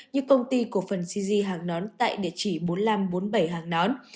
như công ty cổ phần cg hàng nón tại địa chỉ bốn nghìn năm trăm bốn mươi bảy hàng nón